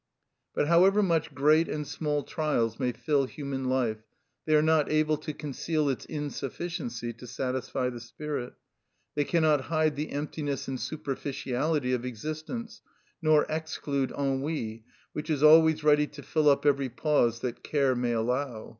But however much great and small trials may fill human life, they are not able to conceal its insufficiency to satisfy the spirit; they cannot hide the emptiness and superficiality of existence, nor exclude ennui, which is always ready to fill up every pause that care may allow.